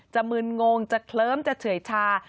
จะมืนงงจะเคลิ้มจะเฉยชา